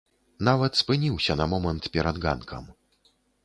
Нават спыніўся на момант перад ганкам.